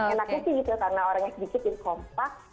enaknya sih gitu karena orangnya sedikit jadi kompak